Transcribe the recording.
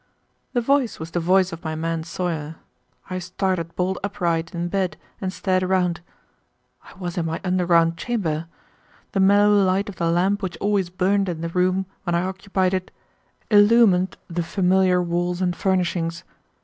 The voice was the voice of my man Sawyer. I started bolt upright in bed and stared around. I was in my underground chamber. The mellow light of the lamp which always burned in the room when I occupied it illumined the familiar walls and furnishings.